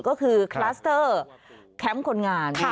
ก็คือคลัสเตอร์แคมป์คนงาน